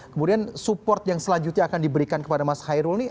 kemudian support yang selanjutnya akan diberikan kepada mas hairul ini